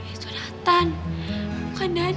itu nathan bukan daniel